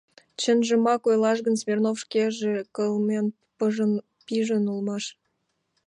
Чынжымак ойлаш гын, Смирнов шкеже кылмен пижын улмаш.